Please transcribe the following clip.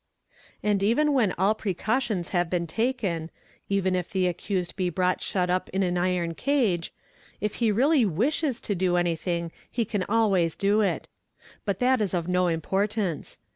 And even when all precautions have been taken, even if the accused ye brought shut up in an iron cage, if he really wishes to do anything he 'can always do it. But that is of no importance.